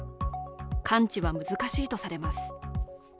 完治は難しいとされます。